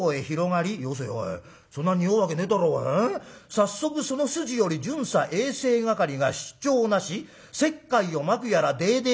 『早速その筋より巡査衛生係が出張をなし石灰をまくやらＤＤＴ』。